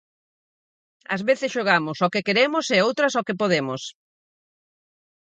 Ás veces xogamos ao que queremos e outras ao que podemos.